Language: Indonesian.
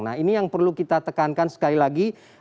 nah ini yang perlu kita tekankan sekali lagi